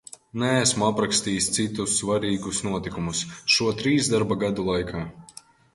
Neesmu aprakstījis citus svarīgus notikumus, šo trīs darba gadu laikā.